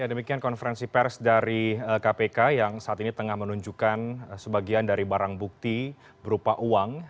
ya demikian konferensi pers dari kpk yang saat ini tengah menunjukkan sebagian dari barang bukti berupa uang